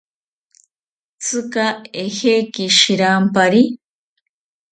¿Tzika ejeki shirampari?